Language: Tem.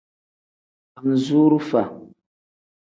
Anzurufa.